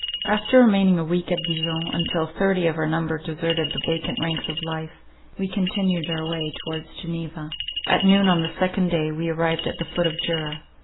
After remaining a week at Dijon, until thirty of our number deserted the vacant ranks of life, we continued our way towards Geneva. At noon on the second day we arrived at the foot of Jura.